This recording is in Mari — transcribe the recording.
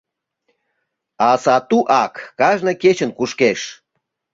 А сату ак кажне кечын кушкеш.